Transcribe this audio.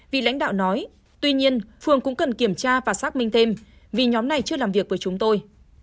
vì lãnh đạo nói tuy nhiên phường cũng cần kiểm tra và xác minh thêm vì nhóm này chưa làm việc với chúng tôi